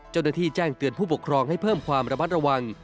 เจ้าหน้าที่แจ้งเตือนผู้ปกครองให้เพิ่มความระมัดระวัง